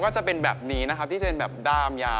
ก็จะเป็นแบบนี้นะครับที่จะเป็นแบบดามยา